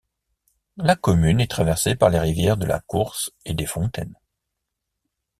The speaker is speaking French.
La commune est traversée par les rivières de la Course et des Fontaines.